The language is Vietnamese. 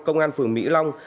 công an phường mỹ long